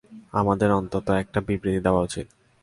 আমাদের অন্তত একটা বিবৃতি দেওয়া উচিৎ।